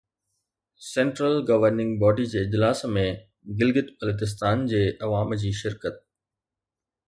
central governing body جي اجلاس ۾ گلگت بلتستان جي عوام جي شرڪت